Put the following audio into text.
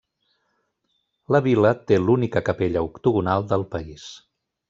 La vila té l'única capella octogonal del país.